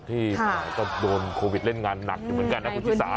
ที่ต้องโดนโควิดเล่นงานหนักอยู่เหมือนกันนะคุณศีรษะ